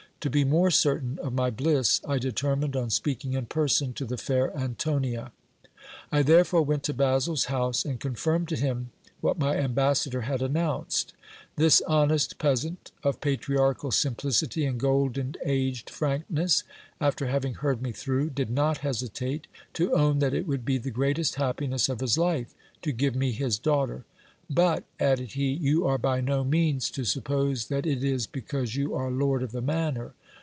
To be more certain of my bliss, I determined on speak ing in person to the fair Antonia. I therefore went to Basil's house, and con firmed to him what my ambassador had announced. This honest peasant, of patriarchal simplicity and golden aged frankness, after having heard me through, did not hesitate to own that it would be the greatest happiness of his life to give me his daughter ; but, added he, you are by no means to suppose that it is be cause you are lord of the manor.